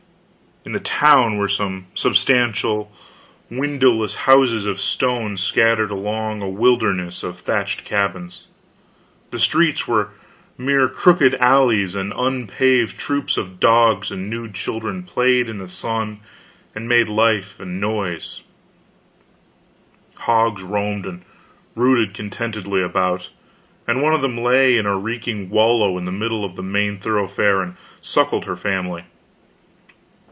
In the town were some substantial windowless houses of stone scattered among a wilderness of thatched cabins; the streets were mere crooked alleys, and unpaved; troops of dogs and nude children played in the sun and made life and noise; hogs roamed and rooted contentedly about, and one of them lay in a reeking wallow in the middle of the main thoroughfare and suckled her family.